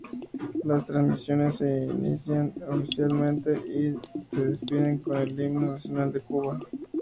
Las transmisiones de inician oficialmente y se despiden con el Himno Nacional de Cuba.